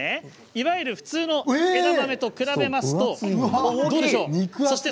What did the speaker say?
いわゆる普通の枝豆と比べますとどうでしょう。